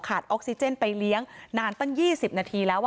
ออกซิเจนไปเลี้ยงนานตั้ง๒๐นาทีแล้ว